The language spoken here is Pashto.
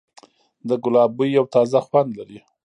د ګلاب بوی یو تازه خوند لري.